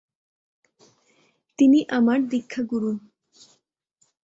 তিনি আমার দীক্ষাগুরু।